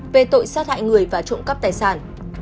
về tội sát hại người và trộm cắp tài sản